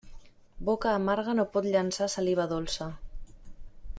Boca amarga no pot llançar saliva dolça.